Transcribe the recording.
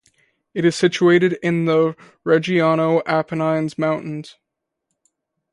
It is situated in the Reggiano Apennines mountains.